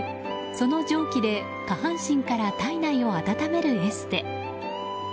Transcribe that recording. その蒸気で下半身から体内を温めるエステ。